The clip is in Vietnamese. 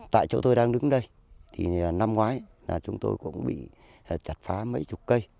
tại chỗ tôi đang đứng đây thì năm ngoái là chúng tôi cũng bị chặt phá mấy chục cây